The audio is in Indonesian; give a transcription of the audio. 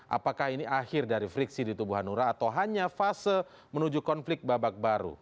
apakah ini akhir dari friksi di tubuh hanura atau hanya fase menuju konflik babak baru